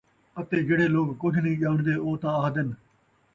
اَتے جِہڑے لوک کُجھ نہیں ڄاݨدے او تاں اَہدن